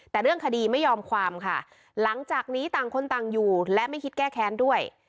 แต่เรื่องคดีไม่ยอมความค่ะหลังจากนี้ต่างคนต่างอยู่และไม่คิดแก้แค้นด้วย